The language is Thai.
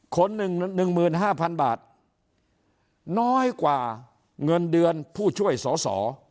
คนหนึ่งหนึ่งหมื่นห้าพันบาทน้อยกว่าเงินเดือนผู้ช่วยสส